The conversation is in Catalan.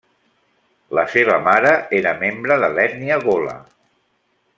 La seva mare era membre de l'ètnia gola.